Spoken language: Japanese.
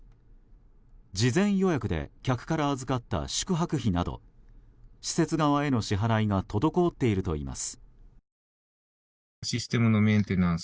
事前予約で客から預かった宿泊費など施設側への支払いが滞っているといいます。